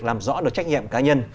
làm rõ được trách nhiệm cá nhân